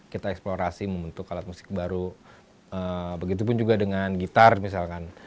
kita eksplorasi membentuk alat musik baru begitu pun juga dengan gitar misalkan